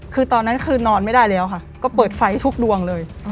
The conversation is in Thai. คือตอนนั้นคือนอนไม่ได้แล้วค่ะก็เปิดไฟทุกดวงเลย